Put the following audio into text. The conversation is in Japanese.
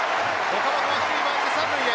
岡本は二塁を回って三塁へ。